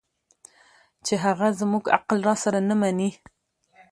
چې هغه زموږ عقل راسره نه مني